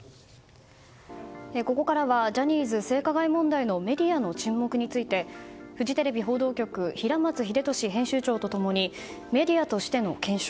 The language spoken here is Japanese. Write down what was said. ここからはジャニーズ性加害問題のメディアの沈黙についてフジテレビ報道局平松秀敏編集長と共にメディアとしての検証